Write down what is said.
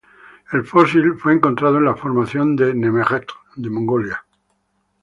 El fósil fue encontrado en la Formación de Nemegt de Mongolia.